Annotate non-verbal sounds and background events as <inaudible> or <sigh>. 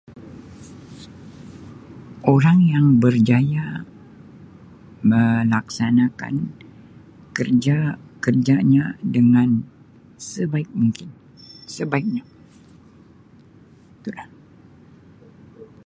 Orang yang berjaya melaksanakan kerja-kerjanya dengan sebaik mungkin <noise> sebaiknya itu lah.